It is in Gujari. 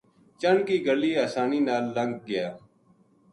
چنڈ کی گلی آسانی نال لنگھ گیا